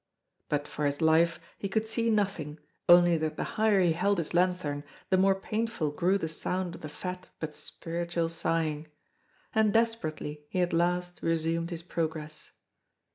But for his life he could see nothing, only that the higher he held his lanthorn the more painful grew the sound of the fat but spiritual sighing. And desperately, he at last resumed his progress.